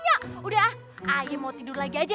nya udah ah aye mau tidur lagi aja